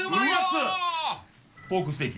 ポークステーキ。